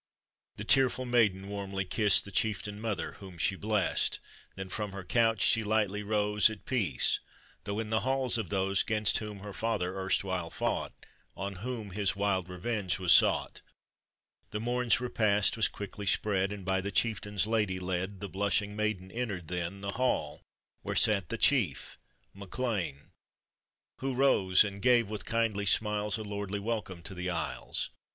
The tearful maiden warmly kissed The chieftain mother, whom she blessed, Then from her couch she lightly rose, At peace, though in the halls of those 'Gainst whom her father erstwhile fought, On whom his wild revenge was sought, — The morn's repast was quickly spread, And by the chieftain's lady led, The blushing maiden entered then The ball where sat the chief, MacLean, :Who rose and gave, with kindly smiles, A lordly welcome to the Isles.